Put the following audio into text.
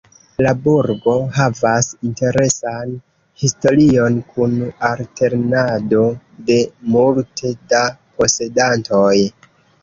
La burgo havas interesan historion kun alternado de multe da posedantoj.